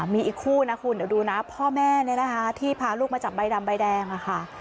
มีอีกคู่นะคุณเดี๋ยวดูนะพ่อแม่นี่นะคะที่พาลูกมาจับใบดำใบแดงค่ะ